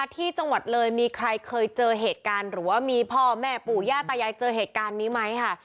ที่จังหวัดเลยมีใครเคยเจอเหตุการณ์หรือว่ามีพ่อแม่ปู่ย่าตายายเจอเหตุการณ์นี้ไหมค่ะ